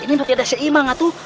ini mas tidak seimbang atu